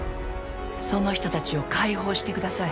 その人たちを解放してください。